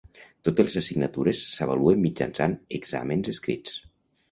Totes les assignatures s'avaluen mitjançant exàmens escrits.